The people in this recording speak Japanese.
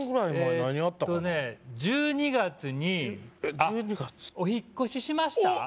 えとね１２月にあっお引っ越ししました？